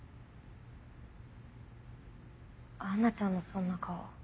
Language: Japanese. アンナちゃんのそんな顔